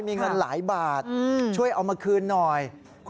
มีเงินหลายบาทช่วยเอามาคืนหน่อย